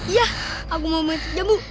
iya aku mau mencet jambu